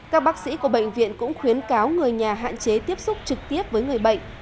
các bác sĩ của bệnh viện cũng khuyến cáo người nhà hạn chế tiếp xúc trực tiếp với người bệnh